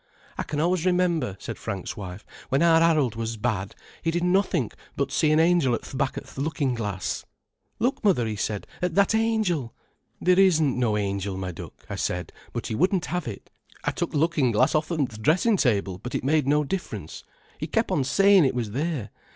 "I can always remember," said Frank's wife, "when our Harold was bad, he did nothink but see an angel at th' back o' th' lookin' glass. 'Look, mother,' 'e said, 'at that angel!' 'Theer isn't no angel, my duck,' I said, but he wouldn't have it. I took th' lookin' glass off'n th' dressin' table, but it made no difference. He kep' on sayin' it was there.